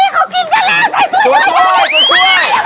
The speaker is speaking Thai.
กุ้งช่วย